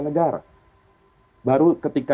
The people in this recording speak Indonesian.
negara baru ketika